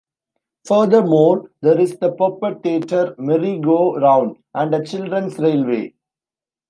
Furthermore, there is the puppet theatre, merry-go-round and a children's railway.